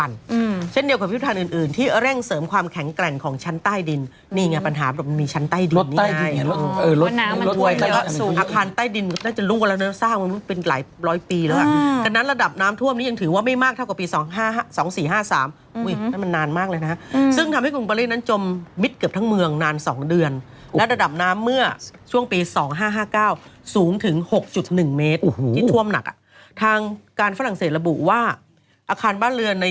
ร้อยปีแล้วอ่ะดังนั้นระดับน้ำท่วมนี้ยังถือว่าไม่มากเท่ากว่าปี๒๔๕๓นานมากเลยนะซึ่งทำให้กรุงปาลีนั้นจมมิดเกือบทั้งเมืองนาน๒เดือนระดับน้ำเมื่อช่วงปี๒๕๕๙สูงถึง๖๑เมตรที่ท่วมหนักอ่ะทางการฝรั่งเศรษฐ์ระบุว่าอาคารบ้านเร